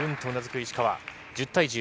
１０対１０。